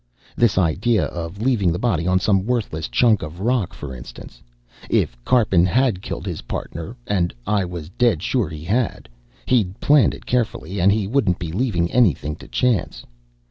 This idea of leaving the body on some worthless chunk of rock, for instance. If Karpin had killed his partner and I was dead sure he had he'd planned it carefully and he wouldn't be leaving anything to chance.